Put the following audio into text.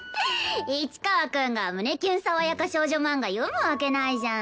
市川くんが胸キュン爽やか少女マンガ読むわけないじゃん。